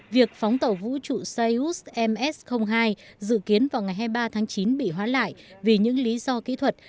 việc phóng tàu vũ trụ seyus ms hai dự kiến vào ngày hai mươi ba tháng chín bị hoãn lại vì những lý do kỹ thuật